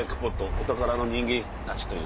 「お宝の人間たち」という。